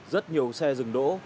rất nhiều xe dừng đỗ